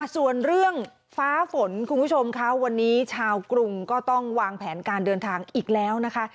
ส่วนเรื่องฟ้าฝนคุณผู้ชมค่ะวันนี้ชาวกรุงก็ต้องวางแผนการเดินทางอีกแล้วนะคะ